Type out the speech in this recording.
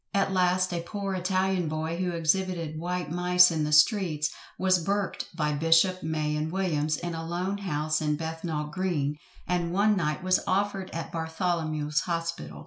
At last a poor Italian boy who exhibited white mice in the streets, was burked by Bishop, May, and Williams, in a lone house in Bethnal green, and one night was offered at Bartholomew's hospital.